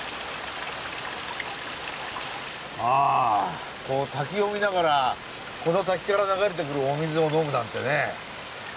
あこの滝を見ながらこの滝から流れてくるお水を飲むなんてね。